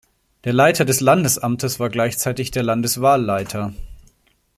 Der Leiter des Landesamtes war gleichzeitig der Landeswahlleiter.